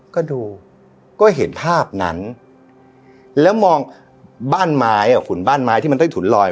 ก็ดูก็เห็นภาพนั้นแล้วมองบ้านไม้อ่ะขุนบ้านไม้ที่มันใต้ถุนลอย